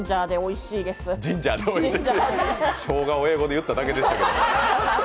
しょうがを英語で言っただけでしたけど。